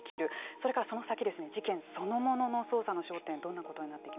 それから、その先ですね事件そのものの捜査の焦点